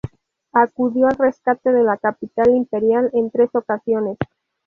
Acudió al rescate de la capital imperial en tres ocasiones.